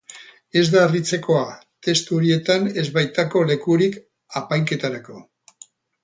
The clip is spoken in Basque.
Ez da harritzekoa, testu horietan ez baitago lekurik apainketarako.